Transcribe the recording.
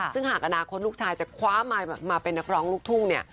ซึ่งหากอนาคตลูกชายจะคว้ามาเป็นนักร้องลูกทุ่งเนี่ย